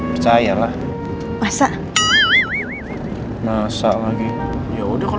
aku masih harus sembunyikan masalah lo andin dari mama